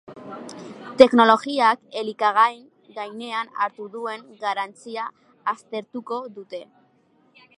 Teknologiak elikagaien gainean hartu duen garrantzia aztertuko dute.